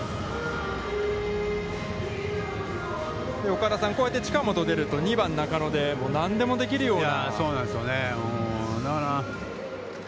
岡田さん、こうやって近本が出ると、２番中野で何でもできるような。